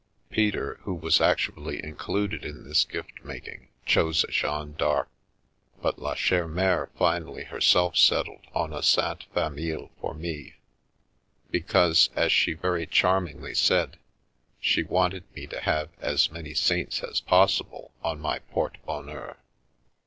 Peter, who was actually in cluded in this gift making, chose a Jeanne d'Arc, but La Chere Mere finally herself settled on a Sainte Famille for me, because, as she very charmingly said, she wanted me to have as many saints as possible on my porte bon heur.